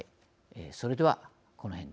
それでは、このへんで。